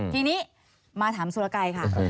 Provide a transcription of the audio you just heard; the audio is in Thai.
ทีนี้มาถามสุรกัยค่ะ